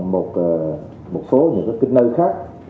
một số những cái nơi khác